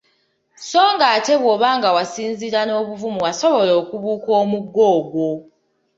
So ng'ate bw'oba nga wasinziira n'obuvumu wasobola okubuuka omuguwa ogwo !